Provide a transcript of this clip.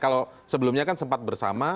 kalau sebelumnya kan sempat bersama